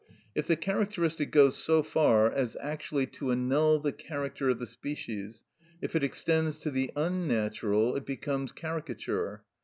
If the characteristic goes so far as actually to annul the character of the species, if it extends to the unnatural, it becomes caricature.